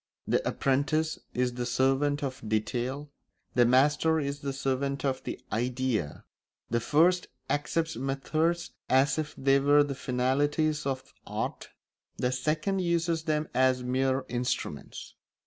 The apprentice is the servant of detail; the master is the servant of the idea: the first accepts methods as if they were the finalities of art; the second uses them as mere instruments.